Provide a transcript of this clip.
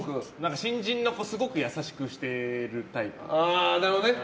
新人の子すごく優しくしてるタイプ。